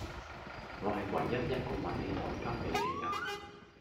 我係唯一一個搵你同跟你既人